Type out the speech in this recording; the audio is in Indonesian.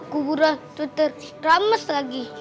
kuburan tutur keramas lagi